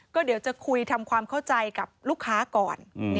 ก็เดี๋ยวจะคุยทำความเข้าใจกับลูกค้าก่อน